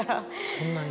そんなに。